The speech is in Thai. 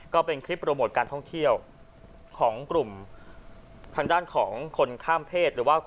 ก็เป็นคลิปโปรโมทการท่องเที่ยวของกลุ่มทางด้านของคนข้ามเพศหรือว่า